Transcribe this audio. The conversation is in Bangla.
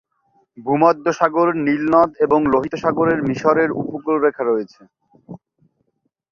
ভূমধ্যসাগর, নীল নদ এবং লোহিত সাগরের মিশরের উপকূলরেখা রয়েছে।